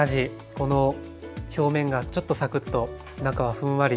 この表面がちょっとサクッと中はふんわり。